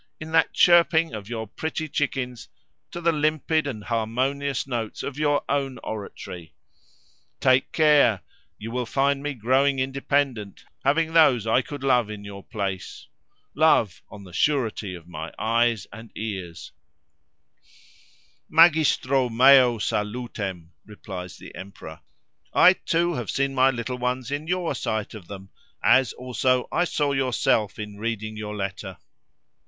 in that chirping of your pretty chickens—to the limpid+ and harmonious notes of your own oratory. Take care! you will find me growing independent, having those I could love in your place:—love, on the surety of my eyes and ears." +"Limpid" is misprinted "Limped." "Magistro meo salutem!" replies the Emperor, "I too have seen my little ones in your sight of them; as, also, I saw yourself in reading your letter.